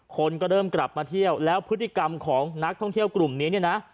คนก็เริ่มกลับมาเที่ยวแล้วพฤติกรรมของนักท่องเที่ยวกลุ่มนี้เนี่ยนะ